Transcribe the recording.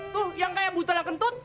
tuh yang kayak butel kentut